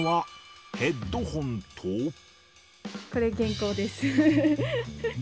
これ、原稿です。